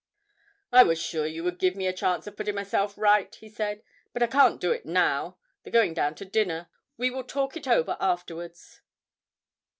'I was sure you would give me a chance of putting myself right,' he said, 'but I can't do it now. They're going down to dinner; we will talk it over afterwards.'